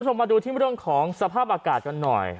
มาดูที่เรื่องของสภาพอากาศกันหน่อย